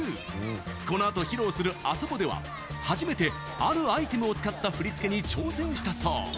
このあと披露する「ＡＳＯＢＯ」では初めてあるアイテムを使った振り付けに挑戦したそう。